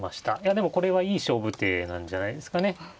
でもこれはいい勝負手なんじゃないですかね。